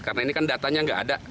karena ini kan datanya